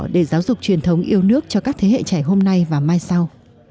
để giáo dục truyền thống yêu nước cho các thế hệ trẻ hôm nay và mai sau